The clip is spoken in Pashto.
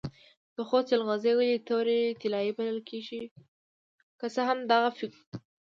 د خوست جلغوزي ولې تور طلایی بلل کیږي؟